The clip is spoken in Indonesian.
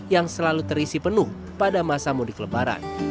yang selalu terisi penuh pada masa mudik lebaran